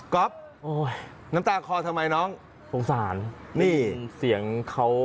ก๊อฟน้ำตาคอทำไมน้องนี่สงสารเสียงเขา